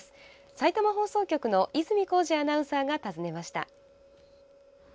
さいたま放送局の泉浩司アナウンサーが訪ねました。